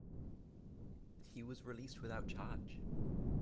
He was released without charge.